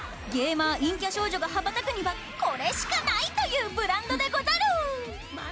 ゲーマー陰キャ少女が羽ばたくにはこれしかないというブランドでござる！